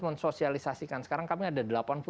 mensosialisasikan sekarang kami ada